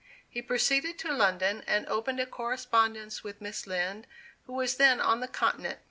He proceeded to London, and opened a correspondence with Miss Lind, who was then on the Continent.